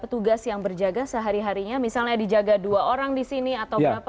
petugas yang berjaga sehari harinya misalnya dijaga dua orang di sini atau berapa